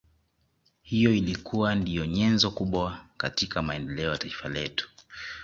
Hiyo ilikuwa ndiyo nyenzo kubwa katika maendeleo ya Taifa letu